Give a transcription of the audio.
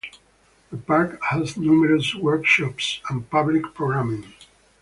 The park has numerous workshops and public programming.